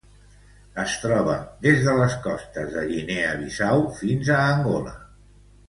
Es troba des de les costes de Guinea Bissau fins a Angola.